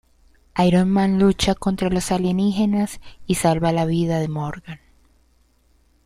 Iron Man lucha contra los alienígenas y salva la vida de Morgan.